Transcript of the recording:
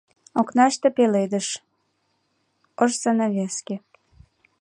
Окнаште — пеледыш, ош занавеске.